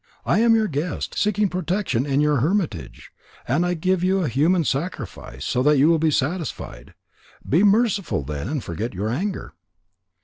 I am your guest, seeking protection in your hermitage. And I will give you a human sacrifice, so that you will be satisfied. Be merciful then and forget your anger."